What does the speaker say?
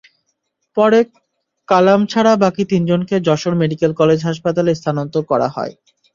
পরে কালাম ছাড়া বাকি তিনজনকে যশোর মেডিকেল কলেজ হাসপাতালে স্থানান্তর করা হয়।